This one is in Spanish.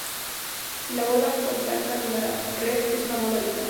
Si la bola contacta con la red, es una bola "viva".